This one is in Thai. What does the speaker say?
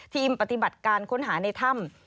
ปฏิบัติการค้นหาในถ้ำ